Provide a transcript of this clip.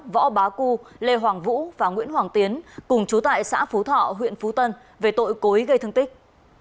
võ bá cu lê hoàng vũ và nguyễn hoàng tiến cùng chú tại xã phú thọ huyện phú tân về tội cối gây thương tích